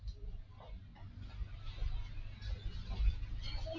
ไหว